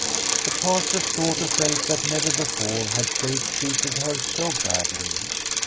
The Pastor's daughter felt that never before had fate treated her so badly.